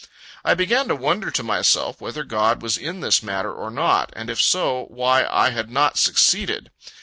I began to wonder to myself, whether God was in this matter, or not; and if so, why I had not succeeded.